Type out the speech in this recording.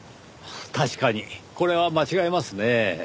確かにこれは間違えますねぇ。